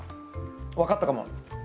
分かったかも。